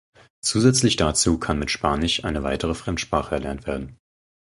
Zusätzlich dazu kann mit Spanisch eine weitere Fremdsprache erlernt werden.